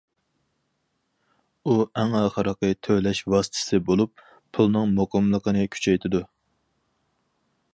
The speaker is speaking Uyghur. ئۇ ئەڭ ئاخىرقى تۆلەش ۋاسىتىسى بولۇپ، پۇلنىڭ مۇقىملىقىنى كۈچەيتىدۇ.